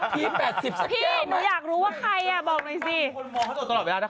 พี่หนูอยากรู้ว่าใครอะ